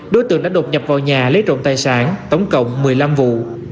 đối tượng đã đột nhập vào nhà lấy trộm tài sản tổng cộng một mươi năm vụ